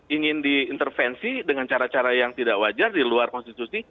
ingin diintervensi dengan cara cara yang tidak wajar di luar konstitusi